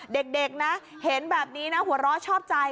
เด็กนะเห็นแบบนี้นะหัวเราะชอบใจ